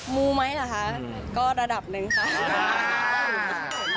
มูไหมเหรอคะก็ระดับหนึ่งค่ะ